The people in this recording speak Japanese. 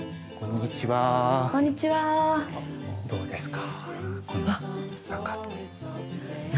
どうですか？